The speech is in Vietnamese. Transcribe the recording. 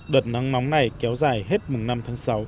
đợt nắng nóng này kéo dài hết mùng năm tháng sáu